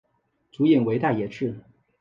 主演为大野智。